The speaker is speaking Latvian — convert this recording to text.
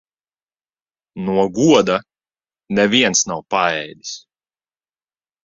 No goda neviens nav paēdis.